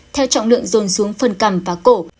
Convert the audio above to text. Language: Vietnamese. theo trọng lượng dồn xuống phần cằm và cổ